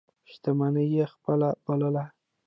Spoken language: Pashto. شتمني یې خپله بلله.